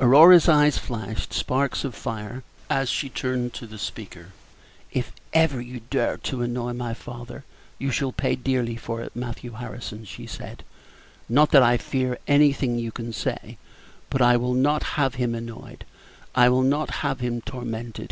Aurora's eyes flashed sparks of fire as she turned upon the speaker. "If ever you dare to annoy my father, you shall pay dearly for it, Matthew Harrison," she said; "not that I fear anything you can say, but I will not have him annoyed I will not have him tormented.